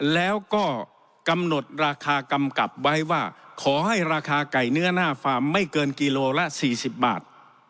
แล้วก็กำหนดราคากำกับไว้ว่าขอให้ราคาไก่เนื้อหน้าฟาร์มไม่เกินกิโลละ๔๐บาท